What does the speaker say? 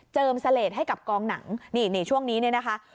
เจิมเศรษฐ์ให้กับกองหนังในช่วงนี้นะคะ